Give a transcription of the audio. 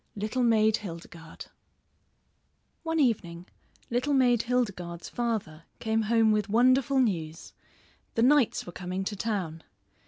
LITTLE MAID HILDEGARDE One evening Little Maid Hildegarde's father came home with wonderful news; the knights were coming to town.